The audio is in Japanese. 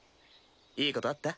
いいことあった？